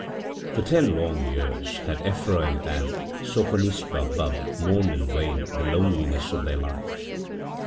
For ten long years had Ephraim and Sophonisba Bubb mourned in vain the loneliness of their life.